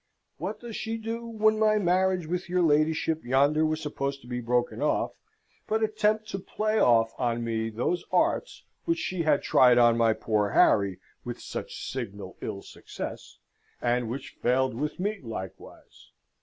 What does she do, when my marriage with your ladyship yonder was supposed to be broken off, but attempt to play off on me those arts which she had tried on my poor Harry with such signal ill success, and which failed with me likewise!